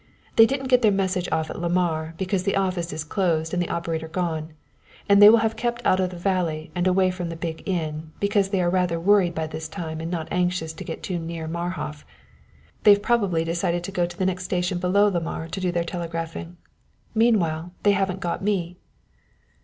They didn't get off their message at Lamar, because the office is closed and the operator gone, and they will keep out of the valley and away from the big inn, because they are rather worried by this time and not anxious to get too near Marhof. They've probably decided to go to the next station below Lamar to do their telegraphing. Meanwhile they haven't got me!"